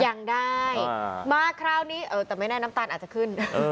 ยังได้มาคราวนี้เออแต่ไม่แน่น้ำตาลอาจจะขึ้น